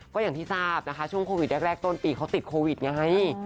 ก็อย่างที่ทราบนะคะช่วงโควิดแรกต้นปีเขาติดโควิดไง